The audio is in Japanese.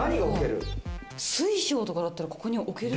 水晶とかだったらここにおける。